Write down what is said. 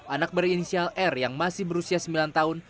anak berinisial r yang masih berusia sembilan tahun